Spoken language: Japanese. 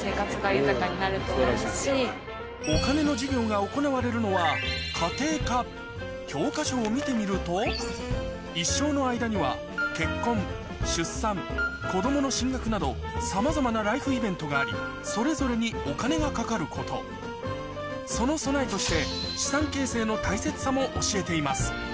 が行われるのは教科書を見てみると一生の間には結婚・出産子どもの進学などさまざまなライフイベントがありそれぞれにお金がかかることその備えとして資産形成の大切さも教えています